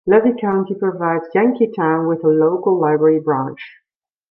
Levy County provides Yankeetown with a local library branch.